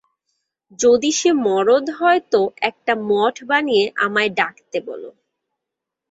যদি সে মরদ হয় তো একটা মঠ বানিয়ে আমায় ডাকতে বলো।